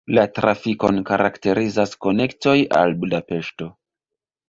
La trafikon karakterizas konektoj al Budapeŝto.